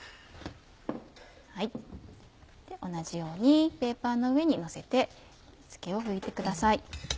同じようにペーパーの上にのせて水気を拭いてください。